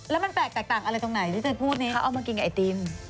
แล้วมันแปลกต่างอะไรตรงไหนถ้าเอามากินกับไอตีน